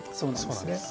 そうなんです。